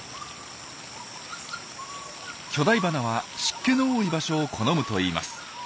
巨大花は湿気の多い場所を好むといいます。